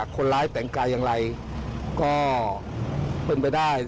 คนร้ายแต่งกายอย่างไรก็เป็นไปได้